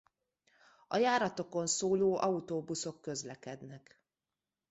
A járatokon szóló autóbuszok közlekednek.